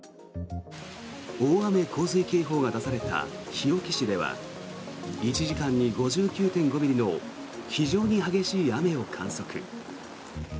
大雨・洪水警報が出された日置市では１時間に５９．５ミリの非常に激しい雨を観測。